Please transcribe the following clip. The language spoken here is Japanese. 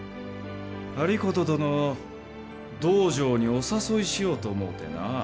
有功殿を道場にお誘いしようと思うてな。